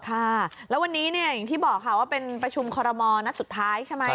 ค่ะแล้ววันนี้เนี่ยอย่างที่บอกค่ะว่าเป็นประชุมคอรมอลนัดสุดท้ายใช่ไหม